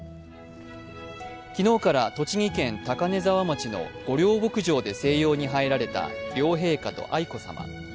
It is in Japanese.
昨日から栃木県高根沢町の御料牧場で静養に入られた両陛下と愛子さま。